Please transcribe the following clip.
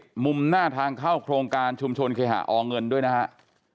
มุมหน้าทางเข้าโครงการชุมชนเคหาอเงินด้วยนะครับ